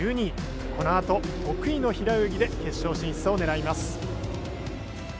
このあと、得意の平泳ぎで決勝進出を狙います。